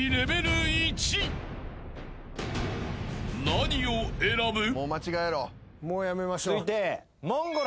［何を選ぶ？］